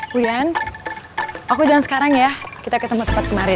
wiyan aku jalan sekarang ya kita ketemu tempat kemarin